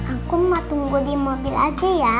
aku mah tunggu di mobil aja ya